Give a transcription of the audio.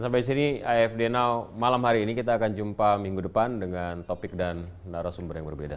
sampai sini afd now malam hari ini kita akan jumpa minggu depan dengan topik dan narasumber yang berbeda